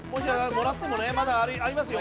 もらってもねまだありますよ。